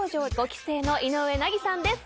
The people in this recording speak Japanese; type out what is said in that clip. ５期生の井上和さんです。